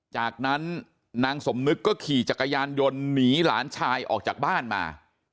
จากนั้นนางสมนึกก็ขี่จักรยานยนต์หนีหลานชายออกจากบ้านมา